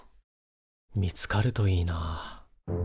見つかるといいな。